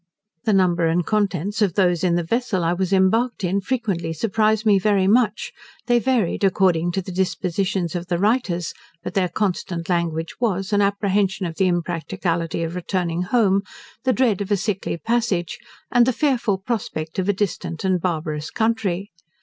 The number and contents of those in the vessel I was embarked in, frequently surprised me very much; they varied according to the dispositions of the writers: but their constant language was, an apprehension of the impracticability of returning home, the dread of a sickly passage, and the fearful prospect of a distant and barbarous country.